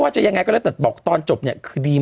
วันตอนที่๑๕